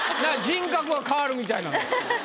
人格が変わるみたいなんです。